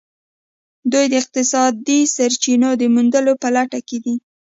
دوی د اقتصادي سرچینو د موندلو په لټه کې دي